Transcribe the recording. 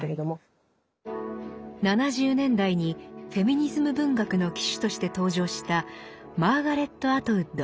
７０年代にフェミニズム文学の旗手として登場したマーガレット・アトウッド。